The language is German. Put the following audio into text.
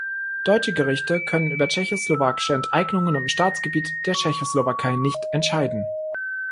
Deutsche Gerichte können über tschechoslowakische Enteignungen im Staatsgebiet der Tschechoslowakei nicht entscheiden.